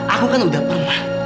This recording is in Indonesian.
aku kan udah pernah